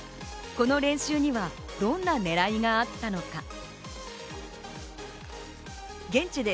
この練習にはどんな狙いがあったのか。